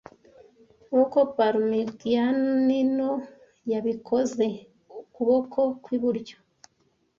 Nkuko Parmigianino yabikoze, ukuboko kw'iburyo